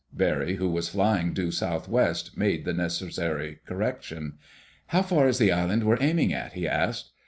Barry, who was flying due southwest, made the necessary correction. "How far is the island we're aiming at?" he asked.